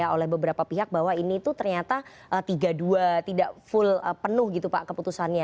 oleh beberapa pihak bahwa ini tuh ternyata tiga dua tidak full penuh gitu pak keputusannya